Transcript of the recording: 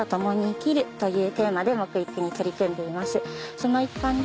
その一環で。